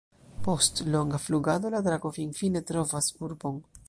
Post longa flugado, la drako finfine trovas urbon.